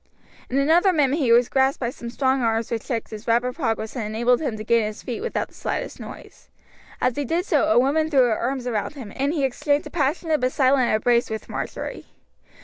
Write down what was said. In another minute he was grasped by some strong arms which checked his rapid progress and enabled him to gain his feet without the slightest noise. As he did so a woman threw her arms round him, and he exchanged a passionate but silent embrace with Marjory.